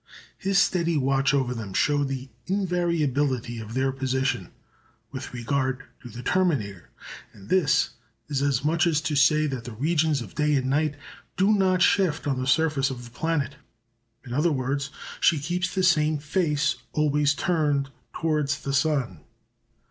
His steady watch over them showed the invariability of their position with regard to the terminator; and this is as much as to say that the regions of day and night do not shift on the surface of the planet. In other words, she keeps the same face always turned towards the sun.